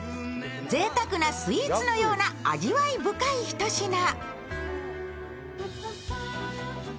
ぜいたくなスイーツのような味わい深い一品。